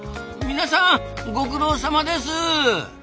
皆さんご苦労さまです！